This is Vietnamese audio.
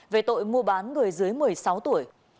về tội mua bán người dưới một mươi sáu tuổi